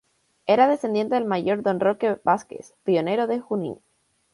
Era descendiente del Mayor Don Roque Vázquez, pionero de Junín.